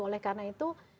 oleh karena itu